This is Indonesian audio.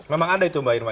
memang ada itu mbak irwan